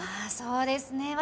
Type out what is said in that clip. そうですね